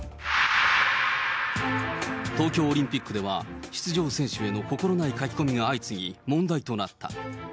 東京オリンピックでは、出場選手への心ない書き込みが相次ぎ問題となった。